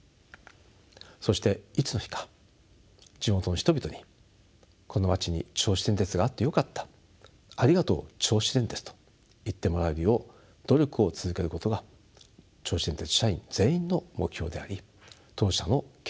そしていつの日か地元の人々にこの町に銚子電鉄があってよかったありがとう銚子電鉄と言ってもらえるよう努力を続けることが銚子電鉄社員全員の目標であり当社の経営理念そのものであります。